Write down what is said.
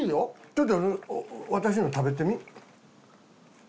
ちょっと私の食べてみ。